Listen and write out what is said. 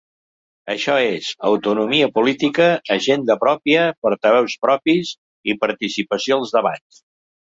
Això és: “autonomia política, agenda pròpia, portaveus propis, i participació als debats”.